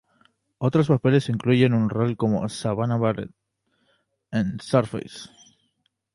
Otros papeles incluyen un rol como Savannah Barnett en "Surface".